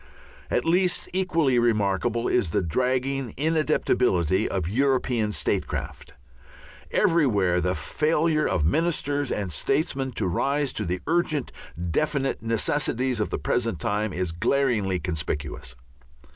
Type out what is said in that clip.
At least equally remarkable is the dragging inadaptability of European statecraft. Everywhere the failure of ministers and statesmen to rise to the urgent definite necessities of the present time is glaringly conspicuous.